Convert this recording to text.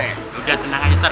udah tenang aja ntar